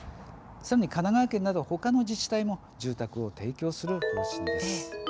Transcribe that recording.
さらに、神奈川県などほかの自治体も住宅を提供する方針です。